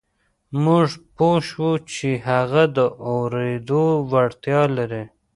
موږ پوه شوو چې هغه د اورېدو وړتيا لري.